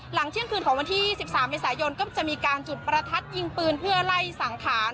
หลังเที่ยงคืนของวันที่๑๓เมษายนก็จะมีการจุดประทัดยิงปืนเพื่อไล่สังขาร